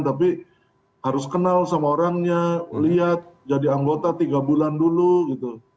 tapi harus kenal sama orangnya lihat jadi anggota tiga bulan dulu gitu